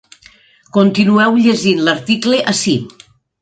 Continueu llegint l’article ací.